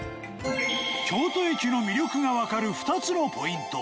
京都駅の魅力がわかる２つのポイント。